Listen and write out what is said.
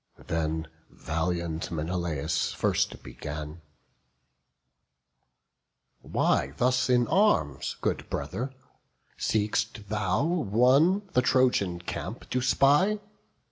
Then valiant Menelaus first began: "Why thus in arms, good brother? seek'st thou one The Trojan camp to spy?